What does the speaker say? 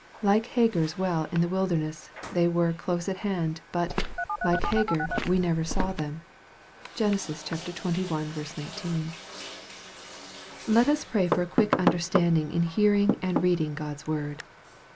Like Hagar's *ell in the wilderness, they were close at hand, but, .ike Hagar, we never saw them. (Gen. xxi. 19.) Let us pray for a quick understanding in hearing and .'reading God's word.